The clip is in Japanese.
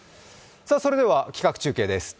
それでは企画中継です。